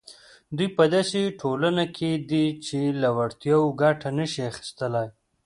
دوی په داسې ټولنه کې دي چې له وړتیاوو ګټه نه شي اخیستلای.